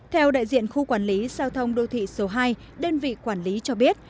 theo đại diện khu quản lý giao thông đô thị số hai đơn vị quản lý cho biết